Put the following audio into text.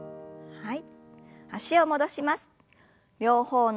はい。